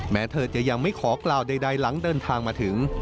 แม้เธอจะยังไม่ขอกล่าวใดหลังเดินทางมาถึง